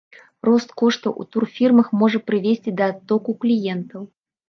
Рост коштаў у турфірмах можа прывесці да адтоку кліентаў.